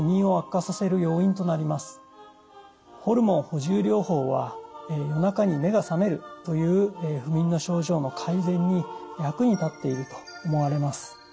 ホルモン補充療法は夜中に目が覚めるという不眠の症状の改善に役に立っていると思われます。